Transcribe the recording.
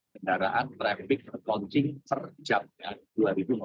kendaraan traffic launching per jamnya dua ribu normal